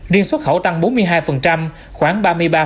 riêng xuất khẩu tăng bốn mươi hai khoảng ba mươi ba